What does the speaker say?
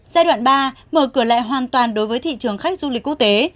giai đoạn ba mở cửa lại hoàn toàn đối với thị trường khách du lịch quốc tế